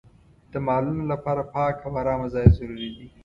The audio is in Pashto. د مالونو لپاره پاک او ارامه ځای ضروري دی.